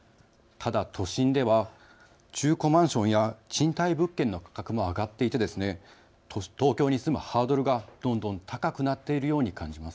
ただ都心では中古マンションや賃貸物件の価格も上がっていて東京に住むハードルがどんどん高くなっているように感じます。